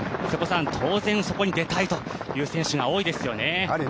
瀬古さん、当然、そこに出たいという選手が多いですよね。